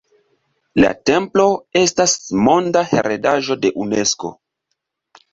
La templo estas monda heredaĵo de Unesko.